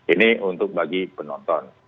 ini untuk bagi penonton